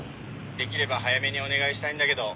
できれば早めにお願いしたいんだけど。